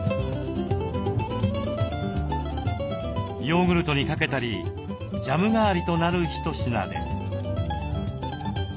ヨーグルトにかけたりジャム代わりとなる一品です。